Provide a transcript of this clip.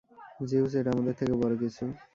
Zeus, এটা আমাদের থেকেও বড় কিছু।